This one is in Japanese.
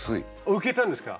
ウケたんですか？